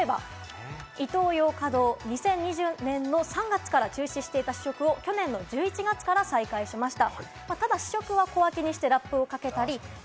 イトーヨーカドー、２０２０年３月から中止していた試食を去年１１月から再開しました。